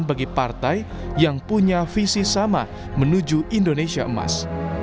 bagi partai yang punya visi sama menuju indonesia emas